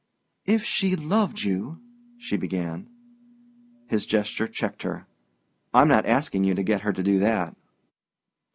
"If she loved you " she began. His gesture checked her. "I'm not asking you to get her to do that."